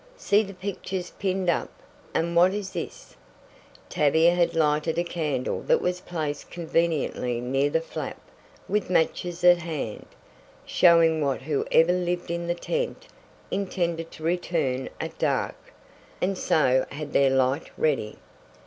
See the pictures pinned up; and what is this?" Tavia had lighted a candle that was placed conveniently near the flap, with matches at hand, showing that whoever lived in the tent intended to return at dark, and so had their light ready.